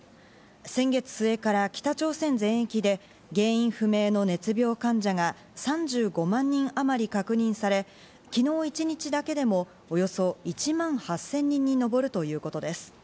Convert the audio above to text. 先月末から北朝鮮全域で原因不明の熱病患者が３５万人あまり確認され、昨日一日だけでもおよそ１万８０００人に上るということです。